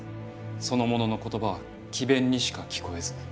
その者の言葉は詭弁にしか聞こえず。